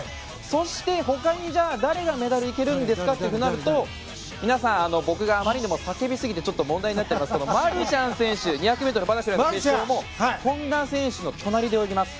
そして、他に誰がメダルいけるんですかとなると僕があまりにも叫びすぎてちょっと問題になってますけどマルシャン選手も２００ｍの決勝で本多選手の隣で泳ぎます。